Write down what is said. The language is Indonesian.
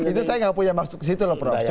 itu saya nggak punya maksud ke situ loh prof